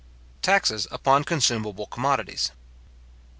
Taxes upon Consumable Commodities.